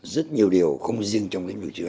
rất nhiều điều không riêng trong lĩnh vực chữ hán